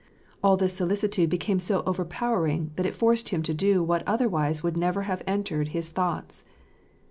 And this solicitude became so overpowering that it forced him to do what otherwise would never have entered his thoughts.